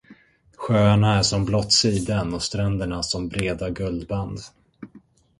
Sjöarna är som blått siden och stränderna som breda guldband.